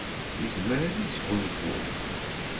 Yezmer ad yesgunfu.